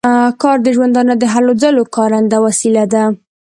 کار د ژوندانه د هلو ځلو کارنده وسیله ده.